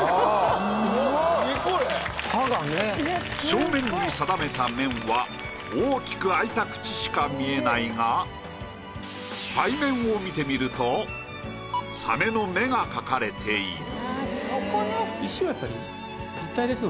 正面に定めた面は大きく開いた口しか見えないが背面を見てみるとサメの目が描かれている。